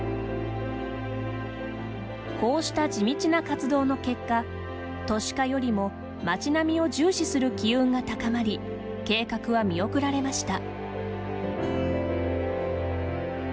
こうした地道な活動の結果都市化よりも街並みを重視する機運が高まり計画は見送られました。